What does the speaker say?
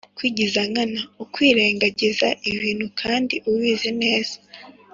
kwigiza nkana:ukwirengagiza ibintu kandi ubizi neza.